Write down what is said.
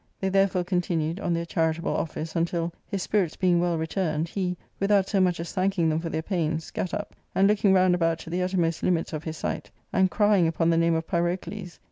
They therefore continued on their charitable office until, his spirits being well returned, he, without so much as thanking them for their pains, gat up, and, looking round about to the uttermost limits of his sight, and crying upon the name of Pyrodes.